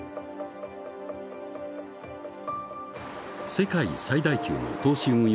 世界最大級の投資運用